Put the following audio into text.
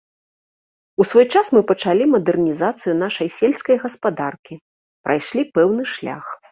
У свой час мы пачалі мадэрнізацыю нашай сельскай гаспадаркі, прайшлі пэўны шлях.